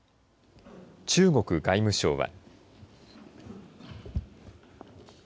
中国外務省は。